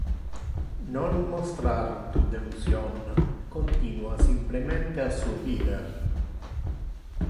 Non monstrar tu delusion, continua simplemente a surrider.